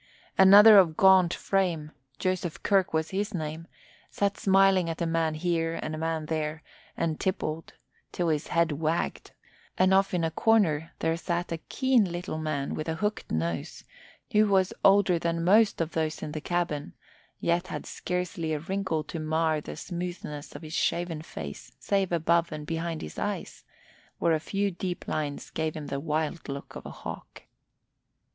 Another of gaunt frame, Joseph Kirk by name, sat smiling at a man here and a man there and tippled till his head wagged; and off in a corner there sat a keen little man with a hooked nose, who was older than most of those in the cabin yet had scarcely a wrinkle to mar the smoothness of his shaven face save above and behind his eyes, where a few deep lines gave him the wild look of a hawk.